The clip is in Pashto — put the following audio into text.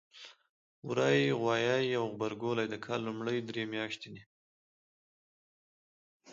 وری ، غوایی او غبرګولی د کال لومړۍ درې میاتشې دي.